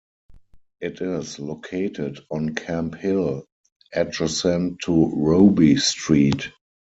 It is located on Camp Hill, adjacent to Robie Street.